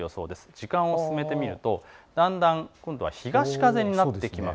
時間を進めてみるとだんだん東風になってきます。